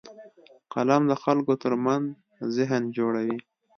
قلم د خلکو ترمنځ ذهن جوړوي